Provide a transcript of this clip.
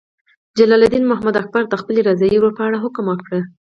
جلال الدین محمد اکبر د خپل رضاعي ورور په اړه حکم وکړ.